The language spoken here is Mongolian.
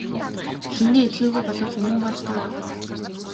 Эхэндээ итгээгүй боловч үнэн болж таарав.